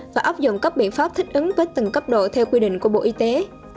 và áp dụng các biện pháp thích ứng với từng cấp độ theo quy định của bộ y tế